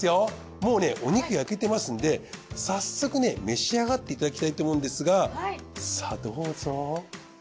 もうねお肉焼けてますんで早速召し上がっていただきたいと思うんですがさあどうぞ。